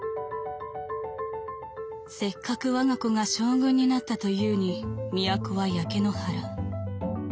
「せっかく我が子が将軍になったというに都は焼け野原。